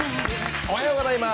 おはようございます。